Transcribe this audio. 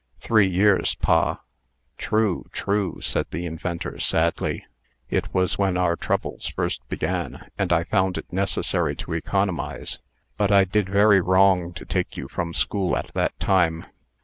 "Three years, pa." "True! true!" said the inventor, sadly. "It was when our troubles first began, and I found it necessary to economize. But I did very wrong to take you from school at that time."